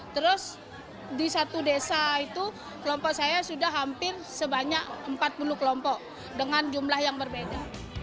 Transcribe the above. terus di satu desa itu kelompok saya sudah hampir sebanyak empat puluh kelompok dengan jumlah yang berbeda